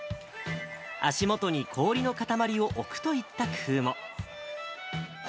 足元に氷の塊を置くといった工夫も。